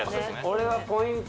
俺はポイント